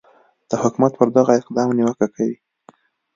د حکومت پر دغه اقدام نیوکه کوي